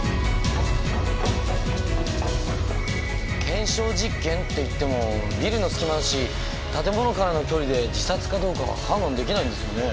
検証実験っていってもビルの隙間だし建物からの距離で自殺かどうかは判断出来ないんですよね？